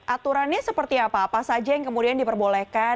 aturannya seperti apa apa saja yang kemudian diperbolehkan